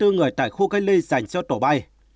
chín mươi bốn người tại khu cách ly dành cho tổ bay